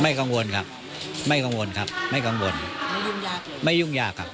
กังวลครับไม่กังวลครับไม่กังวลไม่ยุ่งยากไม่ยุ่งยากครับ